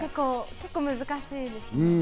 結構難しいです。